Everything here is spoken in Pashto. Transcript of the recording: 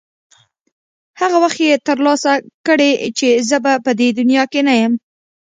هغه وخت یې ترلاسه کړې چې زه به په دې دنیا کې نه یم.